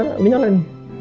ini ini jalan